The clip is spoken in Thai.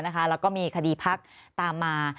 แล้วก็มีคดีพักตามมา